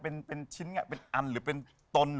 เป็นชิ้นหรือเป็นตน